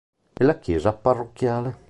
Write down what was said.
È la chiesa parrocchiale.